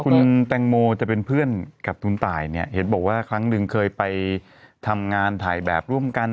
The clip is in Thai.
คุณแตงโมจะเป็นเพื่อนกับคุณตายเนี่ยเห็นบอกว่าครั้งหนึ่งเคยไปทำงานถ่ายแบบร่วมกัน